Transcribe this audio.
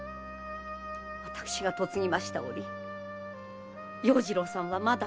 私が嫁ぎました折要次郎さんはまだ七つ。